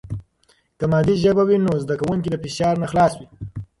که مادي ژبه وي، نو زده کوونکي د فشار نه خلاص وي.